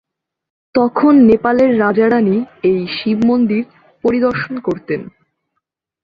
তখন নেপালের রাজা-রানি এই শিবমন্দির পরিদর্শন করতেন।